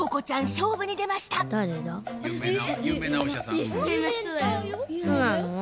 そうなの？